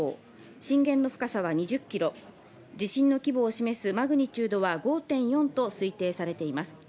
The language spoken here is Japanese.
震源の深さは２０キロ、地震の規模を示すマグニチュードは５．４と推定されています。